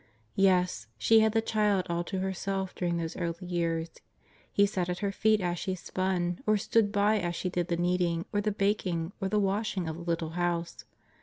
Yes, she had the Child all to herself during those early years. He sat at her feet as she spun, or stood by as she did the kneading, or the baking, or the wash ing of the little house.